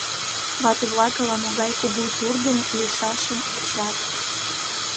Вате-влак ала-могай кугу тургым лийшашым вучат.